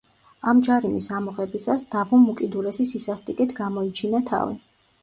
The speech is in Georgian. ამ ჯარიმის ამოღებისას დავუმ უკიდურესი სისასტიკით გამოიჩინა თავი.